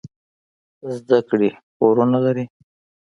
زده کړې پورونه لري.